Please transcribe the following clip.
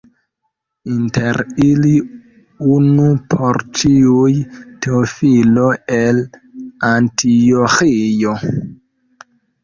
Inter ili, unu por ĉiuj, Teofilo el Antioĥio.